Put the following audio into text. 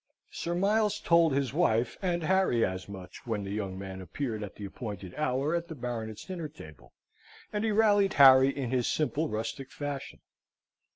Sir Miles told his wife and Harry as much, when the young man appeared at the appointed hour at the Baronet's dinner table, and he rallied Harry in his simple rustic fashion.